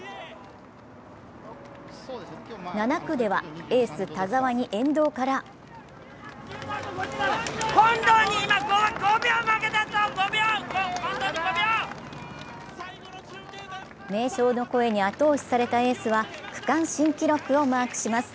７区ではエース・田澤に沿道から名将の声に後押しされたエースは区間新記録をマークします。